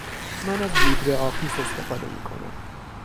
من از لیبره آفیس استفاده میکنم